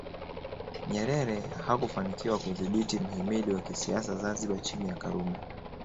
Nyerere hakufanikiwa kudhibiti mhimili wa kisiasa Zanzibar chini ya Karume